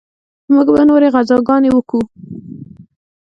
موږ به نورې غزاګانې وکو.